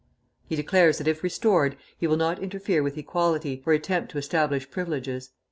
He declares that if restored he will not interfere with equality, or attempt to establish privileges.